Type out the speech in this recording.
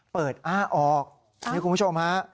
อ้าออกนี่คุณผู้ชมฮะ